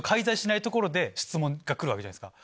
ところで質問が来るわけじゃないですか。